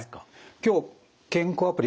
今日健康アプリ